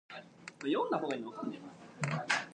Further inspiration was provided by the story of Hugh Lord.